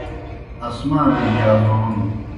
آسمانِجیْ یازون